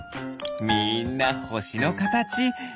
みんなほしのかたち。